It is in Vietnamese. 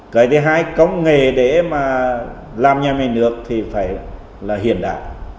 cái thứ hai công nghệ để mà làm nhà máy nước thì phải là hiện đại